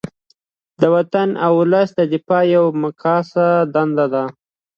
د وطن او ولس دفاع یوه مقدسه دنده ده